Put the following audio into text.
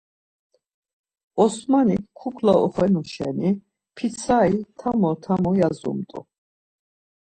Osmanik kukla oxenu şeni pitsari tamo tamo yazumt̆u.